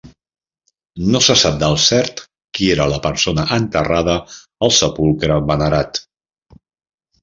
No se sap del cert qui era la persona enterrada al sepulcre venerat.